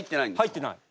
入ってない。